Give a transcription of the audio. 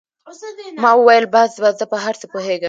ما وويل بس بس زه په هر څه پوهېږم.